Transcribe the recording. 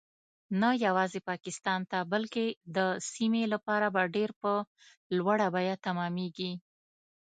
نه یوازې پاکستان ته بلکې د سیمې لپاره به ډیر په لوړه بیه تمامیږي